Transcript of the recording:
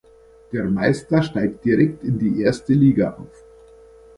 Der Meister steigt direkt in die erste Liga auf.